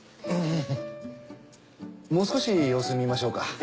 うんもう少し様子見ましょうか。